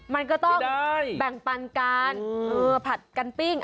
มันก็ต้องแบ่งปันการผัดกันปิ้ง